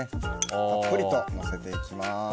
たっぷりとのせていきます。